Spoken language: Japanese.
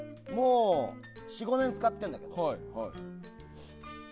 ４５年使ってるんだけど。